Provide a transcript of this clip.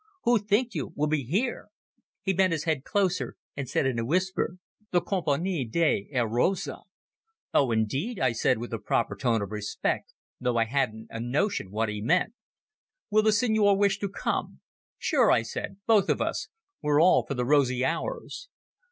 Who, think you, will be here?" He bent his head closer and said in a whisper— "The Compagnie des Heures Roses." "Oh, indeed," I said with a proper tone of respect, though I hadn't a notion what he meant. "Will the Signor wish to come?" "Sure," I said. "Both of us. We're all for the rosy hours."